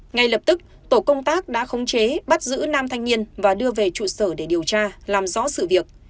ngay lập tức tổ công tác đã khống chế bắt giữ nam thanh niên và đưa về trụ sở để điều tra làm rõ sự việc